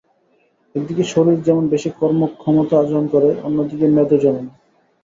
একদিকে শরীর যেমন বেশি কর্মক্ষমতা অর্জন করে, অন্যদিকে মেদও জমে না।